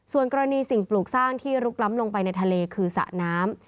ส่วนกรณีสิ่งปลูกสร้างที่ลุกล้ำลงไปในทะเลคือสระน้ำ